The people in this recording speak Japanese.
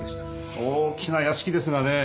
大きな屋敷ですがね